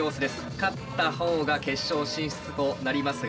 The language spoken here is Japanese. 勝ったほうが決勝進出となりますが。